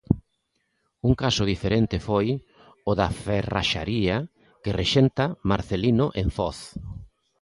Un caso diferente foi o da ferraxaría que rexenta Marcelino en Foz.